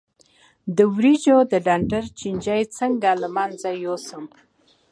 د وریجو د ډنډر چینجی څنګه له منځه یوسم؟